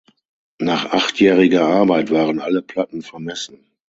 Nach achtjähriger Arbeit waren alle Platten vermessen.